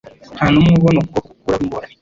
Nta numwe ubona ukuboko gukuraho ingorane,